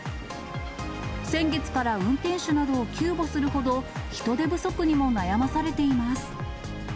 先月から運転手などを急募するほど、人手不足にも悩まされています。